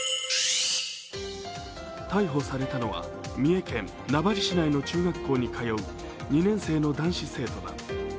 逮捕されたのは三重県名張市内の中学校に通う２年生の男子生徒だ。